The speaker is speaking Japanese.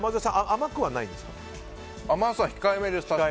甘さ控えめです。